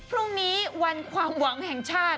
พรุ่งนี้วันความหวังแห่งชาติ